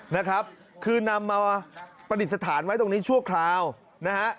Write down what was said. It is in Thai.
นะครับคือนำมาประดิษฐานไว้ตรงนี้ชั่วคราวนะฮะ